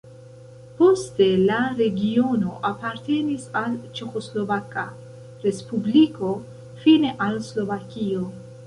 Poste la regiono apartenis al Ĉeĥoslovaka respubliko, fine al Slovakio.